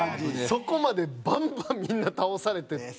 そこまでバンバンみんな倒されていって。